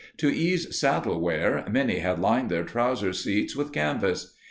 To ease saddle wear, many had lined their trouser seats with canvas.